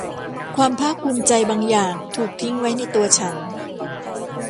ความภาคภูมิใจบางอย่างถูกทิ้งไว้ในตัวฉัน